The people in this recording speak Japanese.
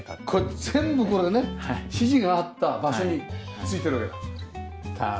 これ全部これね指示があった場所に付いてるわけだ。